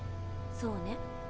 そうね。